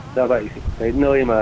do vậy cái nơi mà